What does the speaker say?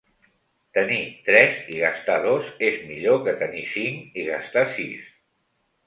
Tenir tres i gastar dos és millor que tenir cinc i gastar sis